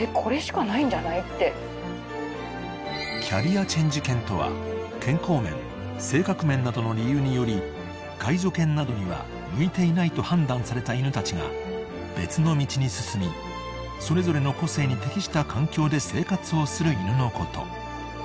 ［キャリアチェンジ犬とは健康面性格面などの理由により介助犬などには向いていないと判断された犬たちが別の道に進みそれぞれの個性に適した環境で生活をする犬のこと］